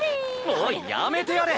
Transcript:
おいやめてやれ。